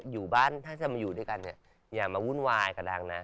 อยู่บ้านถ้าจะมาอยู่ด้วยกันเนี่ยอย่ามาวุ่นวายกับดังนะ